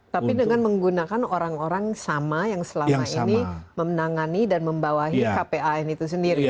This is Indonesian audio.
tapi dengan menggunakan orang orang sama yang selama ini memenangani dan membawahi kpan itu sendiri